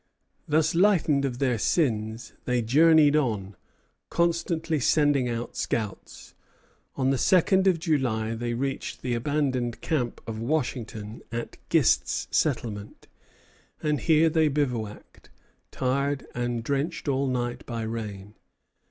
Thus lightened of their sins, they journeyed on, constantly sending out scouts. On the second of July they reached the abandoned camp of Washington at Gist's settlement; and here they bivouacked, tired, and drenched all night by rain.